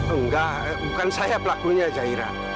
enggak bukan saya pelakunya jaira